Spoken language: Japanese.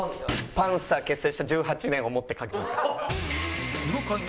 パンサー結成した１８年を思って書きました。